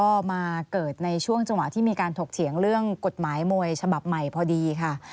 ก็มาเกิดในช่วงจังหวะที่มีการถกเถียงเรื่องกฎหมายมวยฉบับใหม่พอดีค่ะ